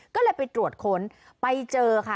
ก็เลยไปตรวจค้นไปเจอค่ะ